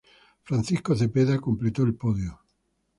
Francisco Cepeda completó el podio.